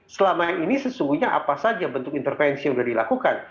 selama ini sesungguhnya apa saja bentuk intervensi yang sudah dilakukan